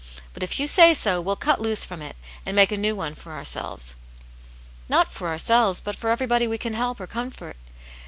But if you say so, we'll' cut loose from it, and make a new one for our selves." '" Not for ourselves, but for everj^body we can help^ or comfort.